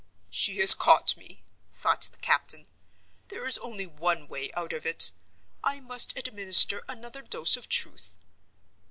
"She has caught me!" thought the captain. "There is only one way out of it—I must administer another dose of truth.